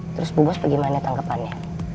terus bu bos bagaimana tanggapannya